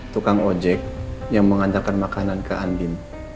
tukang ojek yang mengantarkan makanan ke andin